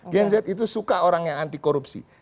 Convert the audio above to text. gen z itu suka orang yang anti korupsi